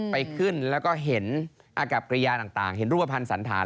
ไปขึ้นแล้วก็เห็นอากับกระยาต่างเห็นรูปภัณฑ์สันธาร